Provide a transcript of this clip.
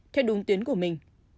theo đúng tuyến của mình